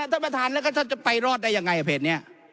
ถ้าประทานยังมีแล้วจะไปรอดได้ยังไง